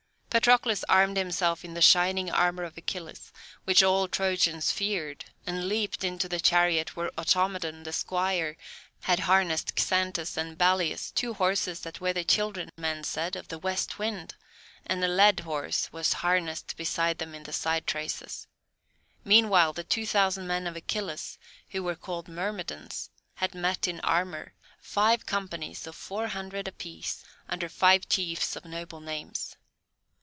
Patroclus armed himself in the shining armour of Achilles, which all Trojans feared, and leaped into the chariot where Automedon, the squire, had harnessed Xanthus and Balius, two horses that were the children, men said, of the West Wind, and a led horse was harnessed beside them in the side traces. Meanwhile the two thousand men of Achilles, who were called Myrmidons, had met in armour, five companies of four hundred apiece, under five chiefs of noble names.